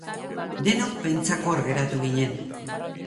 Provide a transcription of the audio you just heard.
Denok pentsakor geratu ginen.